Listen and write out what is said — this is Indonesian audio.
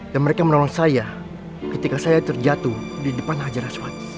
dan mereka menolong saya ketika saya terjatuh di depan hajaran swat